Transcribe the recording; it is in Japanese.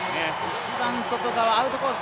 一番外側、アウトコース